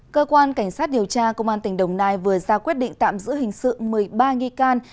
cơ quan cảnh sát điều tra công an tỉnh đồng nai vừa ra quyết định tạm giữ hình sự một mươi ba nghi can